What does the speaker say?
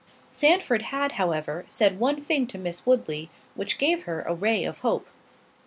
Sandford had, however, said one thing to Miss Woodley, which gave her a ray of hope.